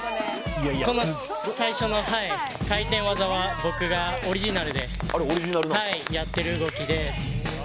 最初の回転技は僕がオリジナルでやっている動きで。